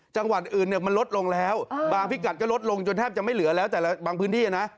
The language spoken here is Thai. จังหวัดอื่นเนี่ยมันลดลงแล้วบางพิกัดก็ลดลงจนแทบจะไม่เหลือแล้วแต่ละบางพื้นที่นะ